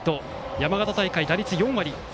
山形大会、打率４割。